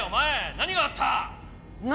何があった？